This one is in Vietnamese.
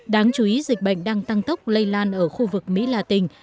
đáng chú ý dịch bệnh đang tăng tốc lây lan ở khu vực mỹ la tình